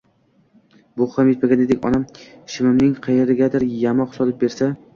Bu ham yetmaganidek, onam shimimning qayerigadir yamoq solib bersa